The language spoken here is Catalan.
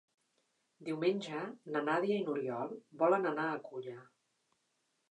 Diumenge na Nàdia i n'Oriol volen anar a Culla.